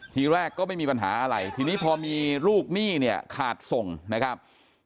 ทีแรกก็ไม่มีปัญหาอะไรทีนี้พอมีลูกหนี้เนี่ยขาดส่งนะครับ